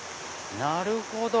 なるほど！